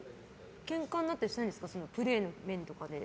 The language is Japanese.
ケンカになったりしないんですかプレーの面とかで。